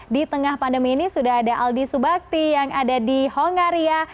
di tengah pandemi ini sudah ada aldi subakti yang ada di hongaria